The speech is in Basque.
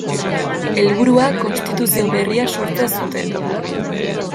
Helburua konstituzio berria sortzea zuten.